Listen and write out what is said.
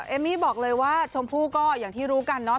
เอมมี่บอกเลยว่าชมพู่ก็อย่างที่รู้กันเนาะ